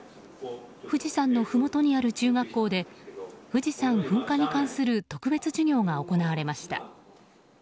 富士山のふもとにある中学校で富士山噴火に関する特別授業が行われました。